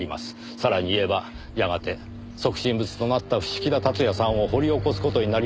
さらに言えばやがて即身仏となった伏木田辰也さんを掘り起こす事になりますねぇ。